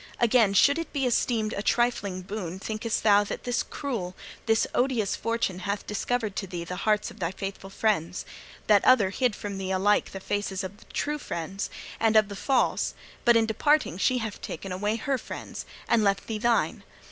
Again, should it be esteemed a trifling boon, thinkest thou, that this cruel, this odious Fortune hath discovered to thee the hearts of thy faithful friends that other hid from thee alike the faces of the true friends and of the false, but in departing she hath taken away her friends, and left thee thine?